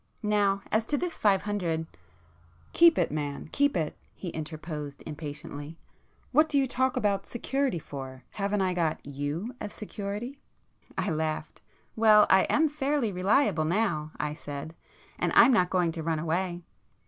Now as to this five hundred"— "Keep it, man, keep it"—he interposed impatiently—"What do you talk about security for? Haven't I got you as security?" I laughed. "Well, I am fairly reliable now"—I said—"And I'm not going to run away."